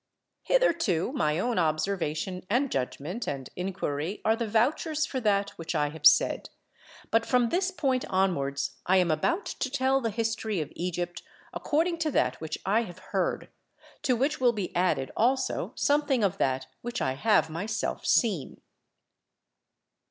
Hitherto my own observation and judgment and inquiry are the vouchers for that which I have said; but from this point onwards I am about to tell the history of Egypt according to that which I have heard, to which will be added also something of that which I have myself seen.